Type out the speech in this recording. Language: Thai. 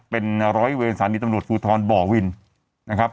เป็นร้อยเวรสถานีตำรวจภูทรบ่อวินนะครับ